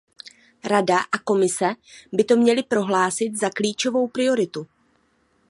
Rada a Komise by to měly prohlásit za klíčovou prioritu.